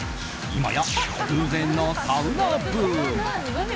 今や空前のサウナブーム。